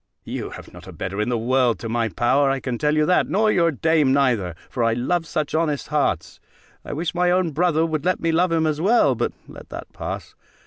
You have not a better in the world, to my power, I can tell you that, nor your dame neither; for I love such honest hearts: I wish my own brother would let me love him as well; but let that pass.